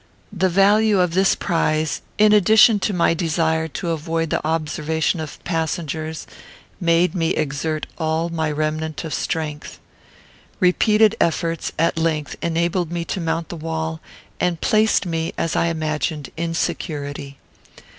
The value of this prize, in addition to my desire to avoid the observation of passengers, made me exert all my remnant of strength. Repeated efforts at length enabled me to mount the wall; and placed me, as I imagined, in security.